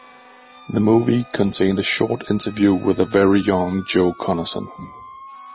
The movie contained a short interview with a very young Joe Conason.